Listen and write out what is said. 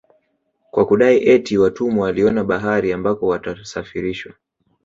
Kwa kudai eti watumwa waliona bahari ambako watasafarishwa